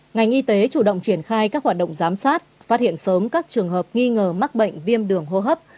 ngành y tế chủ động triển khai các hoạt động giám sát phát hiện sớm các trường hợp nghi ngờ mắc bệnh viêm đường hô hấp